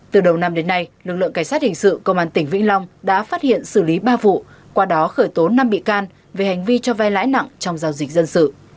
từ đầu năm đến nay lực lượng cảnh sát hình sự công an tỉnh vĩnh long đã phát hiện xử lý ba vụ qua đó khởi tố năm bị can về hành vi cho vai lãi nặng trong giao dịch dân sự